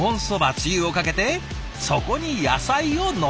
つゆをかけてそこに野菜をのせちゃう。